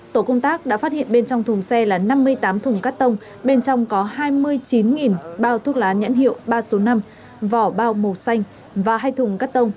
tổ công tác đã phát hiện bên trong thùng xe là năm mươi tám thùng cắt tông bên trong có hai mươi chín bao thuốc lá nhãn hiệu ba số năm vỏ bao màu xanh và hai thùng cắt tông